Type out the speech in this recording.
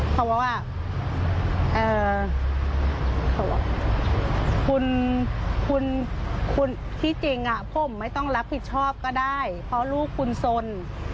เขาบอกว่าคุณที่จริงผมไม่ต้องรับผิดชอบก็ได้เพราะลูกคุณสน